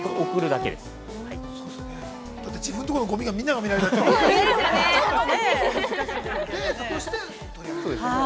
だって自分のところのごみが、みんなに見られたらね。